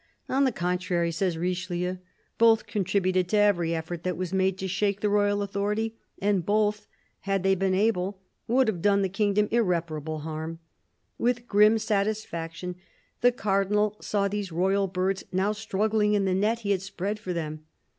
On the contrary, says Richelieu, both contributed to every effort that was made to shake the royal authority, and both — had they been able — would have done the kingdom irreparable harm. With grim satisfaction the Cardinal saw these royal birds now struggling in the net he had spread for them.